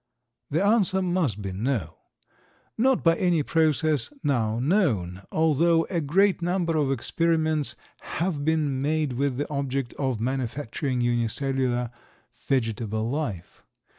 The answer must be No; not by any process now known, although a great number of experiments have been made with the object of manufacturing unicellular vegetable life.